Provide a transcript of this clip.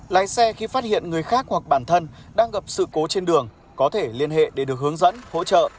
lái xe khi phát hiện người khác hoặc bản thân đang gặp sự cố trên đường có thể liên hệ để được hướng dẫn hỗ trợ